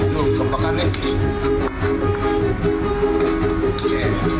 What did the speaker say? loh kepekan nih